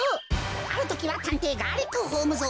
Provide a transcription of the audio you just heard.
あるときはたんていガーリックホームゾー。